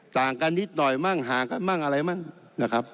ต่างกันนิดหน่อยมั่งห่างกันมั่งอะไรมั่งนะครับ